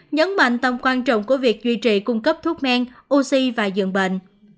nhấn mạnh tầm quan trọng của việc duy trì cung cấp thuốc men oxy và dường bệnh